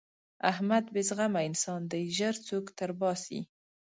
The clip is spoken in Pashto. احمد بې زغمه انسان دی؛ ژر سوک تر باسي.